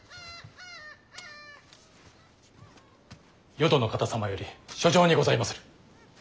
淀の方様より書状にございまする。